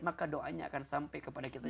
maka doanya akan sampai kepada kita